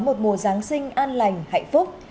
một mùa giáng sinh an lành hạnh phúc